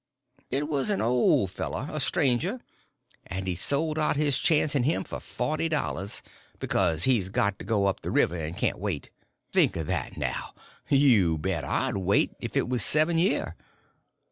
"It was an old fellow—a stranger—and he sold out his chance in him for forty dollars, becuz he's got to go up the river and can't wait. Think o' that, now! You bet I'd wait, if it was seven year."